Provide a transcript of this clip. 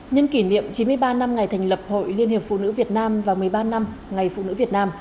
nhân kỷ niệm chín mươi ba năm ngày thành lập hội liên hiệp phụ nữ việt nam và một mươi ba năm ngày phụ nữ việt nam